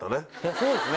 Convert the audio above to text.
そうですね。